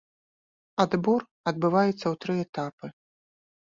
Адбор адбываецца ў тры этапы.